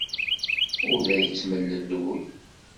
Ur la yettemlelluy.